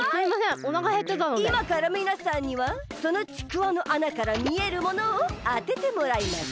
いまからみなさんにはそのちくわのあなからみえるものをあててもらいます。